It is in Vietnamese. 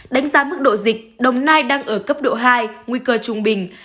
đánh giá mức độ dịch đồng nai đang ở cấp độ hai nguy cơ trung bình